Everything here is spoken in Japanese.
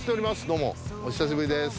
どうもお久しぶりです